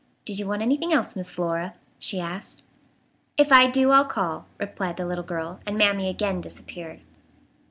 "Do's yo' want anyt'ing else, Missy Flora?" she asked. "If I do I'll call," replied the little girl, and Mammy again disappeared.